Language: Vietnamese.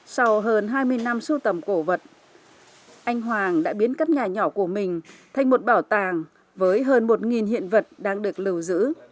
sau hơn hai mươi năm sưu tầm cổ vật anh hoàng đã biến các nhà nhỏ của mình thành một bảo tàng với hơn một hiện vật đang được lưu giữ